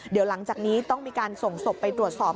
เดี๋ยวหลังจากนี้ต้องมีการส่งศพไปตรวจสอบ